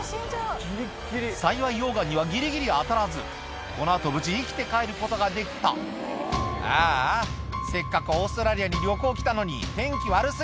幸い溶岩にはギリギリ当たらずこの後無事生きて帰ることができた「ああせっかくオーストラリアに旅行来たのに天気悪過ぎ」